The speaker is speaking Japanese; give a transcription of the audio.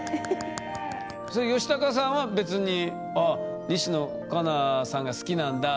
ヨシタカさんは別にあ西野カナさんが好きなんだってふうに思ってた？